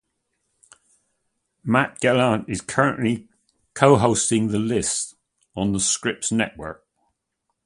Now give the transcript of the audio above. Matt Gallant is currently Co-Hosting "The List" on the Scripps Network.